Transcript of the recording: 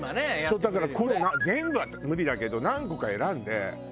だから全部は無理だけど何個か選んで。